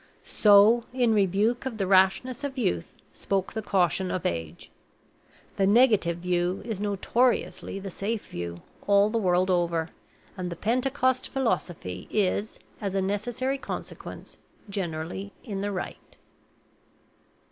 So, in rebuke of the rashness of youth, spoke the caution of age. The negative view is notoriously the safe view, all the world over, and the Pentecost philosophy is, as a necessary consequence, generally in the right.